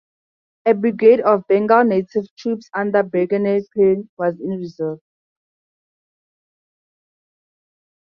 A brigade of Bengal Native troops under Brigadier Penney was in reserve.